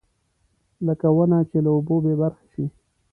لکه ونه چې له اوبو بېبرخې شي.